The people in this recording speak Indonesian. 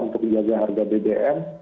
untuk menjaga harga bbm